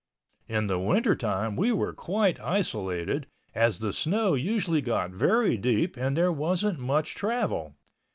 In the wintertime we were quite isolated, as the snow usually got very deep and there wasn't much travel.